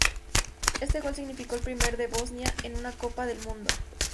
Este gol significó el primero de Bosnia en una Copa del Mundo.